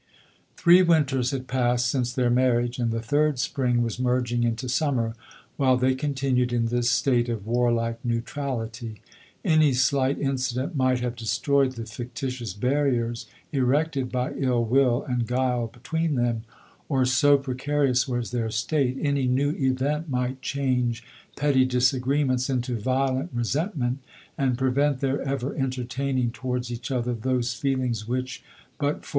Three winters had passed since their mar riage, and the third spring was merging into summer, while they continued in this state of warlike neutrality. Any slight incident might have destroyed the fictitious barriers erected by ill will and guile between them ; or, so preca rious was their state, any new event might change petty disagreements into violent resent ment, and prevent their ever entertaining to wards each other those feelings which, but for LODORE.